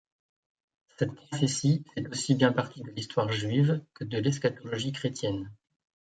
Cette prophétie fait aussi bien partie de l'histoire juive que de l'eschatologie chrétienne.